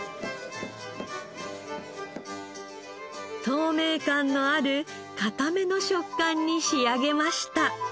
透明感のある硬めの食感に仕上げました。